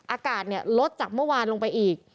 อากาศลดจากเมื่อวานลงไปอีก